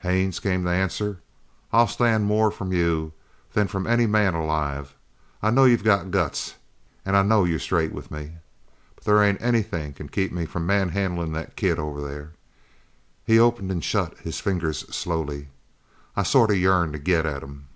"Haines," came the answer, "I'll stand more from you than from any man alive. I know you've got guts an' I know you're straight with me. But there ain't anything can keep me from manhandlin' that kid over there." He opened and shut his fingers slowly. "I sort of yearn to get at him!"